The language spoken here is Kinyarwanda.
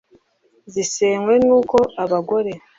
zisenywa n’uko abagore